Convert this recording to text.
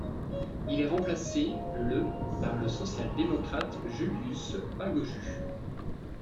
Il est remplacé le par le social-démocrate Julius Pagojus.